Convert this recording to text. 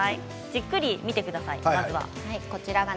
じっくり見てください、まずは。